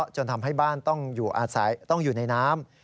จนทำให้บ้านต้องอยู่ในน้ำ